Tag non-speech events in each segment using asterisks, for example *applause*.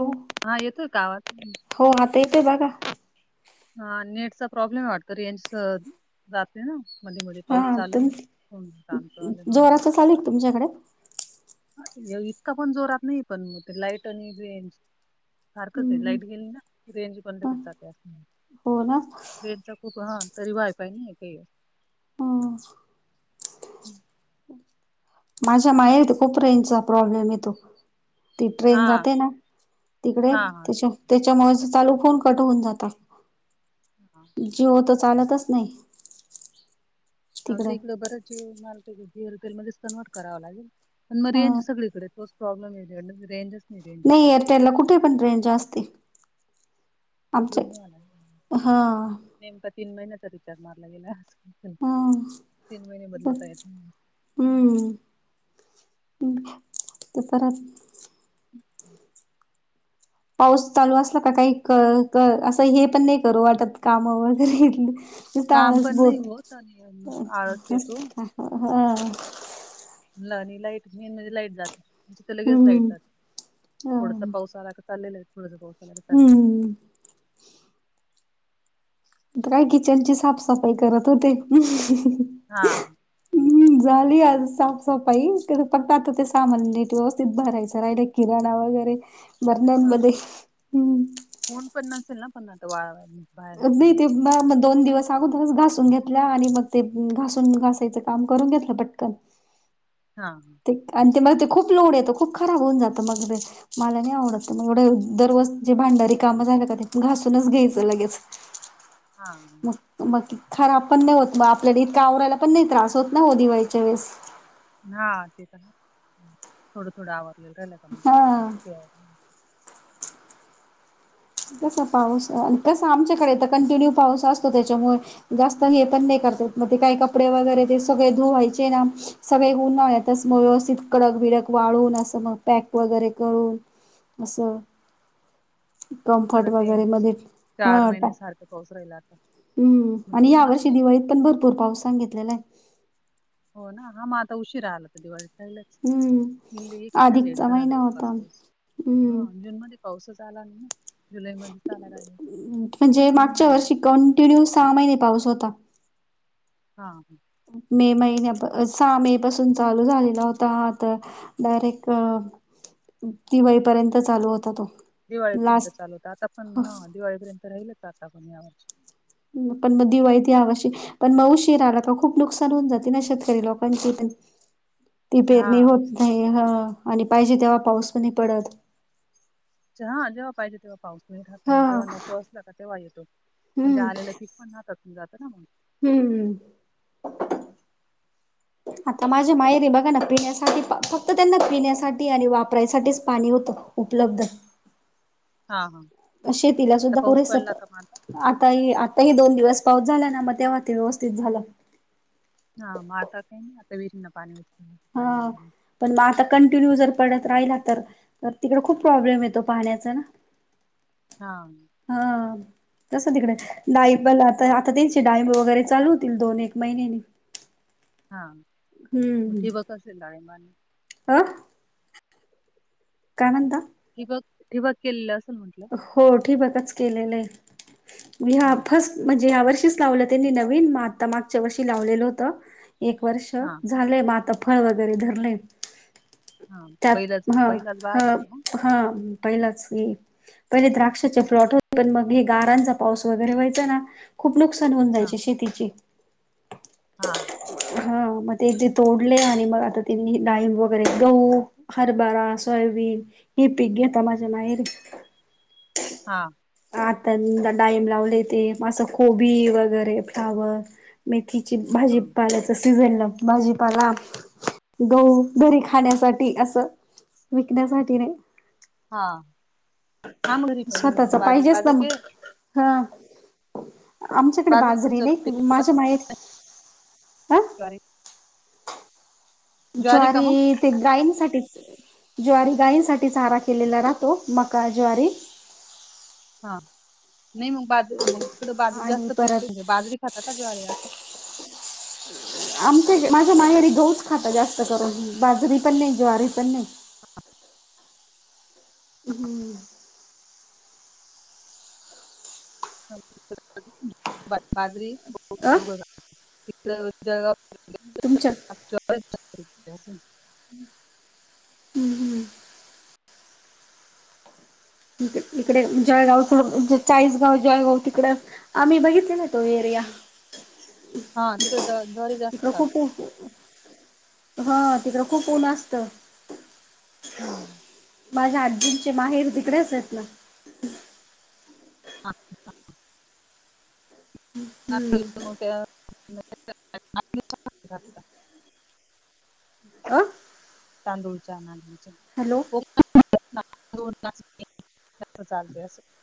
हो हा येतोय कावाात हो आता येते बघा हा नेटचा प्रॉब्लेम वाटत रेंज जात ते ना मध्ये मध्ये हा पाऊस चालू आहे तुम ना को चांचं आलं हा जोराच चालू तुमच्याकडे इतका पण जोरात नाही पणग ते लाईट आणि व्रेंज सारखंच आहे हम्म लाईट घेईल ना रेंज पण ते चाक असणार हो ना वे खूप ह तरी वायपाय नाही काही ह हम्म माझ्या मायेत खपराेनचा प्रॉब्लेम येतो ती ट्रेन हा जाते ना तिकडे हा हा त्याच्या त्याच्यामुळेच चालू फोन कट होून जातात हा जिओ तर चालतच नाही तिकड आमच इकडे बरच ज ज रिटल मध्ये कन्वर्ट करावं लागेल आणि मग रेंज ह सगळीकडे तोच प्रॉब्लेम आहे रेंज नाही एअरटेल ला कुठे पण टेन जास्ते बदलूनला नेमका तीन महिन तर रिचर मारला गेला हा तीन महिने बदलवता येतम् ् ते पर अम्म् पाऊस चालू असला का काही असं हे पण नाही करू वाटत काम वगैरे त काम काणस पण नाही बोत होत आणि नुसतं आळस येतो हा ल नाही लाईट मेन म्हणजे लाईट जात म्हणे ते लगेच ला हम्म यतात ह थोडसा पाऊस आला का चाललेला थोड पाजऊस आला का चाललेला नाही हम्म काय किचनची साफसफाई करत होते हा हम्म झाली आज साफसफाई तर फक्त आता ते सामान नेट व्यवस्थित भरायचं राहिलं किराणा वगैरे बरण्यांमध्ये हम्म कोण पण असेल ना पण आता वावा ते म दोन दिवस अगोदरच घासून घेतल्या आणि मग ते घासून घासायचं काम करून घेतलं पटकन हा ह ते आणि ते मग ते खूप लोड येतं खूप खराब होऊन जातं मग ते मला नाही आवडत मग एढ दरवज जे भांडारी काम झालं का तेून घासूनच घ्यायचं लगेच *inaudible* हा मग मग खराब पण नाही होतग आपल्याला इतक आवरायला पण नाही त्रास होत ना हो दिवाळीच्या वेळेस हा ते तर ना थोडं थोडं आवरलेलं राहिल का मग हा कसा पाऊस कस आमच्याकडे तर कंटिन्यू पाऊस असतो त्याच्यामुळे जास्त हे पण नाही करतात मग ते काही कपडे वगैरे ते सगळे धुवायचे ना सगळे उन्हात च हम्म. मग व्यवस्थित कडक बिडक वाळून असं मग पॅक वगैरे करून असं कम्फर्ट आता ते वगैरे मध्ये हा चार टा महिने सारखा पाऊस राहील आता हम्म म्हणजे आणि या ऊनच वर्षी नाही पडत. दिवाळीत पण भरपूर पाऊस सांगितलेला आहे. हो ना हा म आता उशीरा आला कधीलाच हम्म इल् एक महिना लेट अधिकचा झाला महिना पाा होता हम्म जून मध्ये पाऊसच आला नाही ना. जुलै मध्येच आला काय म्हणजे जून मागच्या मध्ये यायला वर्षी पाहिजे. कंटिन्यू सहा महिने पाऊस होता. हा ह मे महिन्या सहा मे पासून चालू झालेला होता आता डायरेक्ट अ दिवाळीपर्यंत चालू होता तो. दिवाळीपर्यंत लास्ट चालू होता आता पण ह दिवाळीपर्यंत राहिलच आता आपण या वर्ष पण मग दिवाळीती ह्या वर्षी पण म उशीरा आला का खूप नुकसान होऊन जात ना शेतकरी लोकांची पण ती पेरणी हा होत नाही ह आणि पाहिजे तेव्हा पाऊस पण नाही पडत हा जेव्हा पाहिजे तेव्हा पाऊस म राह हा जेव्हा नको असला का तेव्हा येतो म्हणजे हम्म आलेलं पिक हातातून जात ना मग हम्म हम्म आता माझ्या माहेरी बघा ना पिण्यासाठी फक्त त्यांना पिण्यासाठी आणि वापरायसाठीच पाणी होतं. उपलब्ध हा हा शेतीला आता सुद्धा पाऊस पुरेस पडला का मग आता ह आताही दोन दिवस पाऊस झाला ना मग तेव्हा ते व्यवस्थित झाल. हा म आता काय आता वरना पाणी पाणी हा. पण मग आता कंटिन्यू जर पडत राहिला तर तिकडे खूप प्रॉब्लेम येतो पाण्याचा ना *inaudible* हा हा तस तिकडे डाळींब आता आता त्यांचे डाळींब वगैरे चालू होतील दोन एक महिनेने हा ठिबक असेल डाळींबाना आ काय म्हणता? ठिबक ठिबक केलेलं असं म्हणत हो ठिबकच केलेलं आहे मी हा फस्ट म्हणजे या्या वर्षीच लावलं त्यांनी नवीन आता मागच्या वर्षी लावलेलं होत. एक वर्ष हा झालेय मात फळ वगैरे धरले. हा पहिलाच त्यात ह पहिलाच बार आहे ह का मग हा पहिलाच ये. पहिले द्राक्षाचे फ्लॉट होते पण मग हे गारांचा पाऊस वगैरे व्हायचा ना. खूप नुकसान होऊन हा जायचे शेतीचे. हा मग ते एक जे तोडले आणि मग आता त डाईम वगैरे गहू. हरभरा सोयाबीन हे पीक घेता माझ्या माहेरी. हा. आता डाळींब लावले ते असं कोबी वगैरे फ्लावर. मेथीची भाजी हा पाल्याचा सीझनला. भाजीपाला, गहू घरी खाण्यासाठी असं. विकण्यासाठी नाही. हा हा स्वतःचा पाहिजेच ना मग *unintelligible* हा आमच्याकडे पण बाजरी जप नाही केली माझ्या माहेरी. हा सरी. *unintelligible* का मग ज्वारी ते गायंसाठीच. ज्वारी गायींसाठीच चारा केलेला राहतो मका, ज्वारी. हा नाही मग बाजरी मग तिकड बाजरी आणि जास्त पिकते परत म्हजे बाजरी खाता का ज्वारी असं. आमच्या माझ्या माहेरी गहुच खाता जास्त करून बाजरी पण नाही, ज्वारी पण नाही. हम्म. बाजरी अ त. *unintelligible* तुमच्या. ो *unintelligible* हम् *unintelligible* हम्म हम्म. इकडे, इकडे जळगाव सोडून चाळीसगाव, जळगाव तिकड. आम्ही बघितलेला तो एरिया. हा तिकडच्या भागात ज्वारी जास्त तिकडं चालत. खूप हा तिकडं खूप उन्ह असतं. हम्म. माझ्या आजींचे माहेर तिकडेच आहेत ना. हां ह *unintelligible* हम्म *unintelligible* अ तांदूळच्या नागलीच्या. हॅलो. हो, चालते अस. *unintelligible*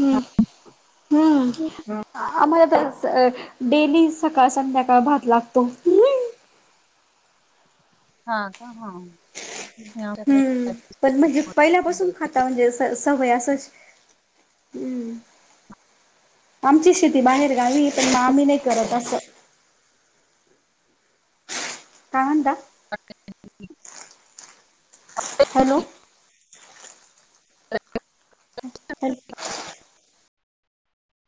हम्म. हम्म आम्हाला डेली सकाळ, संध्याकाळ भात लागतो. हा का हा ह. हम्म पण म्हणजे पहिल्यापासून खाता म्हणजे सवय असं हम्म. ळ आमची शेती बाहेर गावी पण मग आम्ही नाही करत असं. काय म्हणता. *unintelligible* हॅलो. अ *unintelligible*